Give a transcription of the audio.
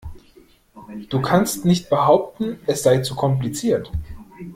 Du kannst nicht behaupten, es sei zu kompliziert.